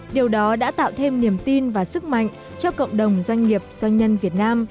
điều đó đã tạo thêm niềm tin và sức mạnh cho cộng đồng doanh nghiệp doanh nhân việt nam